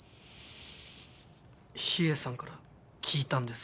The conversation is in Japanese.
秘影さんから聞いたんですか？